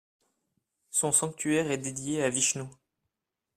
Son sanctuaire est dédié à Vishnou.